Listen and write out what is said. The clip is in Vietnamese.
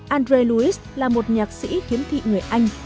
andre luis là một nhạc sĩ khiếm thị người anh